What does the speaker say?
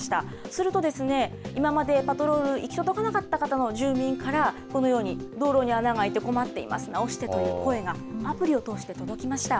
すると、今までパトロール行き届かなかった箇所の住民から、このように道路に穴が開いて困ってますと、アプリを通して届きました。